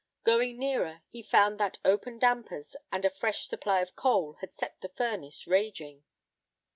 Going nearer he found that open dampers and a fresh supply of coal had set the furnace raging.